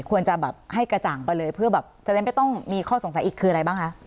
ควรจะแบบให้กระจ่างไปเลยเพื่อแบบจะได้ไม่ต้องมีข้อสงสัยอีกคืออะไรบ้างคะ